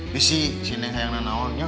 disini disini sayang nenek awalnya